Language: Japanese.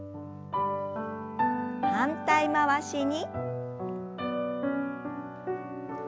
反対回しに。